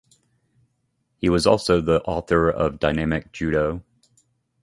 He was also the author of "Dynamic Judo".